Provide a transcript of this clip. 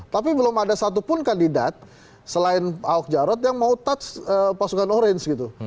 tapi belum ada satupun kandidat selain ahok jarot yang mau touch pasukan orange gitu